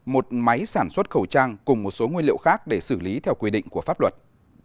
một máy sản xuất khẩu trang cùng một số nguyên liệu khác để xử lý theo quy định của pháp luật